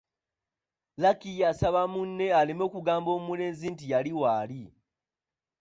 Lucky yasaba munne aleme okugamba omulenzi nti yali waali.